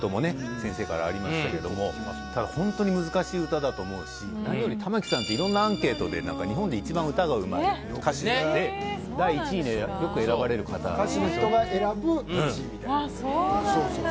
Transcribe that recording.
先生からありましたけどもただホントに難しい歌だと思うし何より玉置さんっていろんなアンケートで日本で一番歌がうまい歌手第１位によく選ばれる方歌手の人が選ぶ１位みたいなそうなんだ